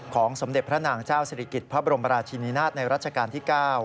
สมเด็จพระนางเจ้าศิริกิจพระบรมราชินินาศในรัชกาลที่๙